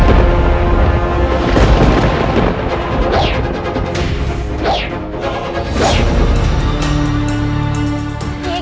kalau begitu kita harus pergi